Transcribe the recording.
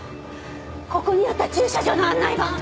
ここにあった駐車場の案内板！